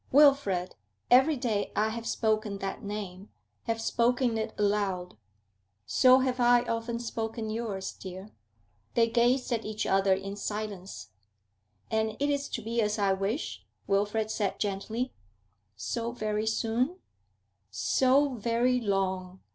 Wilfrid! Every day I have spoken that name, have spoken it aloud.' 'So have I often spoken yours, dear.' They gazed at each other in silence. 'And it is to be as I wish?' Wilfrid said gently. 'So very soon?' 'So very long!